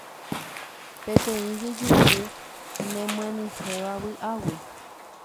Peteĩ jejuhu nemyenyhẽva vy'águi